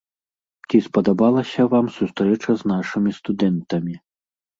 Ці спадабалася вам сустрэча з нашымі студэнтамі?